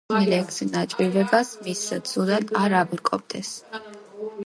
ხამს, მელექსე ნაჭირვებას მისსა ცუდად არ აბრკმობდეს